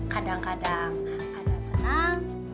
kadang kadang ada senang